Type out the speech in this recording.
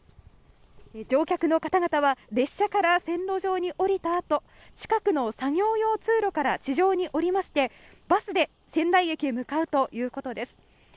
乗客の方々は列車から線路上に降りた後近くの作業用通路から地上に降りましてバスで仙台駅へ向かうということです。